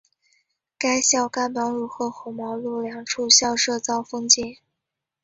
该校甘榜汝和红毛路两处校舍遭封禁。